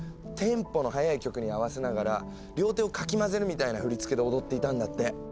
テンポの速い曲に合わせながら両手をかき混ぜるみたいな振り付けで踊っていたんだって。